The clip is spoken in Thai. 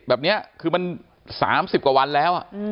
แบบเนี้ยคือมันสามสิบกว่าวันแล้ว